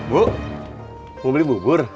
bu mau beli bubur